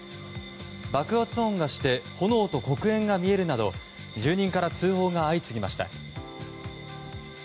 爆発音がして炎と黒煙が見えるなど住人から通報が相次ぎました。